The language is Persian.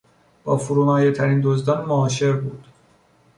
با فرومایهترین دزدان معاشر بود.